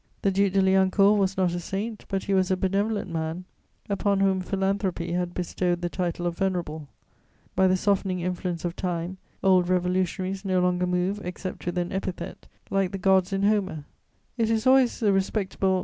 The Duc de Liancourt was not a saint, but he was a benevolent man, upon whom philanthropy had bestowed the title of venerable; by the softening influence of Time, old Revolutionaries no longer move except with an epithet, like the gods in Homer: it is always the respectable M.